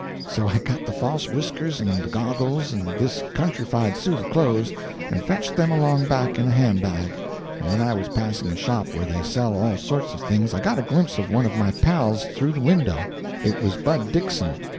So I got the false whiskers and the goggles and this countrified suit of clothes, and fetched them along back in a hand bag; and when I was passing a shop where they sell all sorts of things, I got a glimpse of one of my pals through the window. It was Bud Dixon.